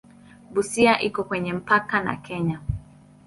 Busia iko kwenye mpaka na Kenya.